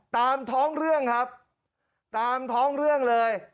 ตามท้องเรื่องครับตามท้องเรื่องเลย